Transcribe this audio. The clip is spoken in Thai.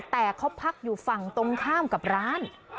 แต่เขาพักอยู่ฝั่งตรงข้ามกับร้าน